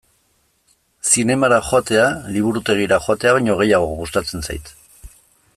Zinemara joatea liburutegira joatea baino gehiago gustatzen zait.